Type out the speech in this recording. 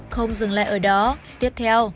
không dừng lại ở đó tiếp theo